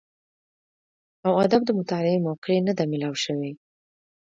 او ادب د مطالعې موقع نۀ ده ميلاو شوې